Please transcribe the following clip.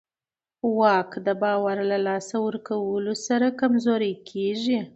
واک د باور له لاسه ورکولو سره کمزوری کېږي.